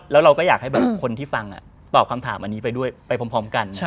แล้วเราก็อยากให้แบบคนที่ฟังตอบคำถามอันนี้ไปด้วยไปพร้อมกัน